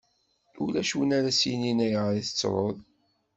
Ulac win ara as-yinin: ayɣer i tettruḍ.